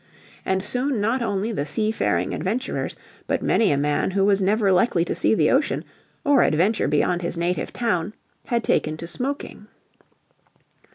And soon not only the seafaring adventurers but many a man who was never likely to see the ocean, or adventure beyond his native town, had taken to smoking.